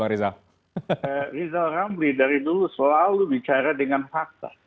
bang riza ramli dari dulu selalu bicara dengan fakta